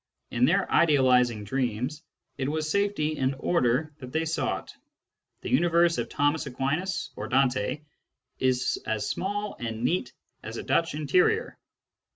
In their idealising dreams, it was safety and order that they sought : the universe of Thomas Aquinas or Dante is as small and neat as a Dutch interior.